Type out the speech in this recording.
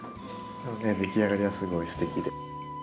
でもね出来上がりがすごいすてきで。